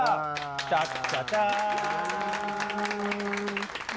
チャッチャチャー！